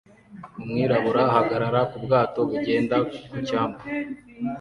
Umwirabura ahagarara ku bwato bugenda ku cyambu